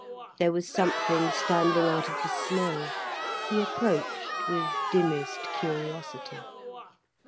There was something standing out of the snow. He approached, with dimmest curiosity.